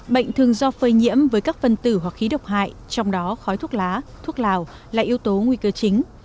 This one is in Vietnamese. bệnh thường do phơi nhiễm với các phân tử hoặc khí độc hại trong đó khói thuốc lá thuốc lào là yếu tố nguy cơ chính